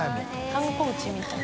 観光地みたい。